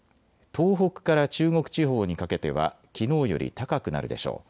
東北から中国地方にかけてはきのうより高くなるでしょう。